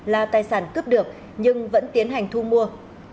là tài sản cướp được nhưng vẫn tiến hành thu mua